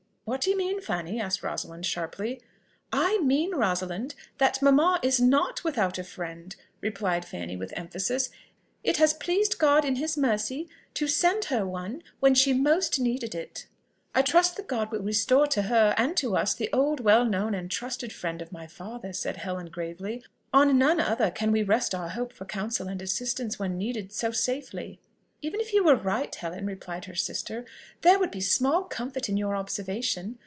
"What do you mean, Fanny?" said Rosalind sharply. "I mean, Rosalind, that mamma is not without a friend," replied Fanny with emphasis. "It has pleased God in his mercy to send her one when she most needed it." "I trust that God will restore to her and to us the old, well known, and trusted friend of my father," said Helen gravely. "On none other can we rest our hope for counsel and assistance, when needed, so safely." "Even if you were right, Helen," replied her sister, "there would be small comfort in your observation.